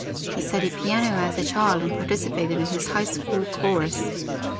He studied piano as a child and participated in his high school chorus.